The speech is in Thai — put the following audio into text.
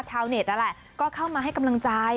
ชาวเน็ตนั่นแหละก็เข้ามาให้กำลังใจ